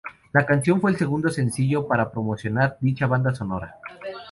La canción fue el segundo sencillo para promocionar dicha banda sonora.